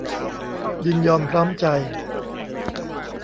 ยินยอมพร้อมใจ